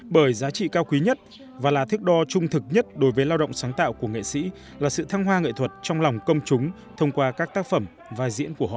bởi giá trị cao quý nhất và là thước đo trung thực nhất đối với lao động sáng tạo của nghệ sĩ là sự thăng hoa nghệ thuật trong lòng công chúng thông qua các tác phẩm và diễn của họ